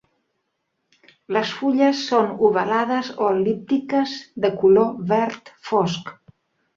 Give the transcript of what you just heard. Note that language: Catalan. Les fulles són ovalades o el·líptiques de color verd fosc.